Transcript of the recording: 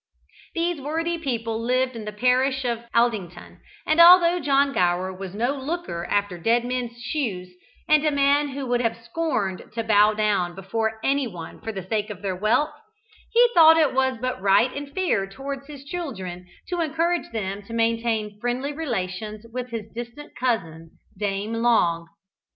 These worthy people lived in the parish of Aldington, and although John Gower was no looker after dead men's shoes, and a man who would have scorned to bow down before any one for the sake of their wealth, he thought it was but right and fair towards his children to encourage them to maintain friendly relations with his distant cousin, Dame Long.